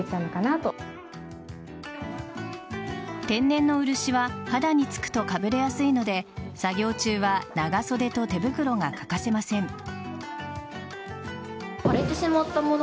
天然の漆は肌につくとかぶれやすいので作業中は長袖と手袋が欠かせません。